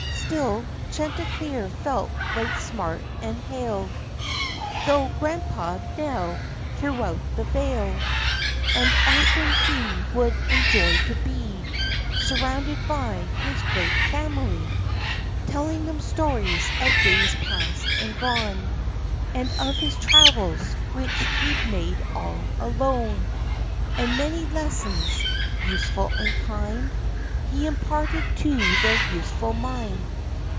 Still Chanticleer felt right smart and hale, Though " Grandpa," now, throughout the vale ; And often he would enjoy to be Surrounded by his great family, Telling them stories of days past and gone, And of his travels which he'd made all alone ; And many lessons, useful and kind, He imparted to their youthful mind.